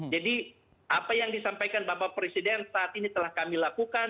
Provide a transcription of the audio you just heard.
apa yang disampaikan bapak presiden saat ini telah kami lakukan